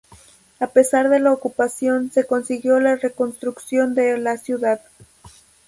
A pesar de la ocupación, se consiguió la reconstrucción de la ciudad.